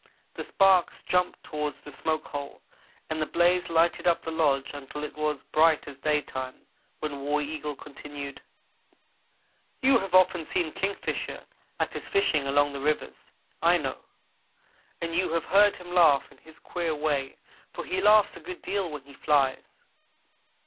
The sparks jumped toward the smoke hole and the blaze lighted up the lodge until it was bright as daytime, when War Eagle continued: "You have often seen Kingfisher at his fishing along the rivers, I know; and you have heard him laugh in his queer way, for he laughs a good deal when he flies.